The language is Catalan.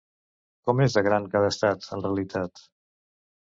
Com és de gran cada estat, en realitat?